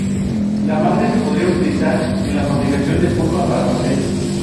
La madera se podría utilizar en la fabricación de pulpa para papel.